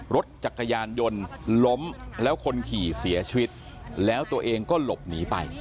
รถจักรยานยนต์ล้มแล้วคนขี่เสียชีวิตแล้วตัวเองก็หลบหนีไป